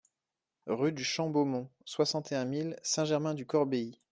Rue du Champ Beaumont, soixante et un mille Saint-Germain-du-Corbéis